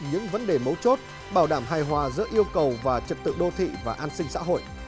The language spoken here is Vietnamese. những vấn đề mấu chốt bảo đảm hài hòa giữa yêu cầu và trật tự đô thị và an sinh xã hội